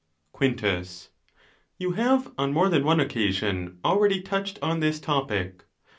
Quintus. —You have, on more than one occasion, already touched on this topic.